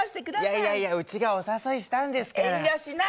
いやいやうちがお誘いしたんですから。